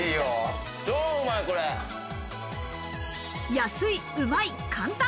安い、うまい、簡単！